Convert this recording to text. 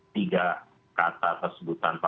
tiga kata tersebut tanpa